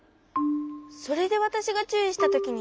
それでわたしがちゅういしたときに。